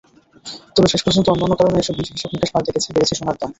তবে শেষ পর্যন্ত অন্যান্য কারণে এসব হিসাব-নিকাশ পাল্টে গেছে, বেড়েছে সোনার দাম।